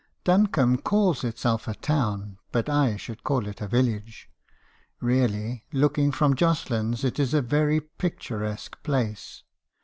Duncombe calls itself a town, but I should call it a village. Really, looking from Jocelyn's, it is a very picturesque place.